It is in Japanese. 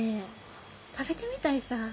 食べてみたいさ。